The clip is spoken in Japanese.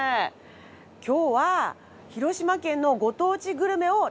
今日は広島県のご当地グルメを楽しみます。